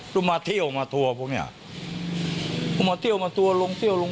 กูมาเที่ยวมาทัวร์พวกเนี้ยกูมาเที่ยวมาทัวร์ลงเที่ยวลง